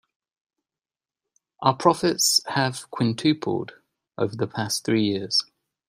Our profits have quintupled over the past three years.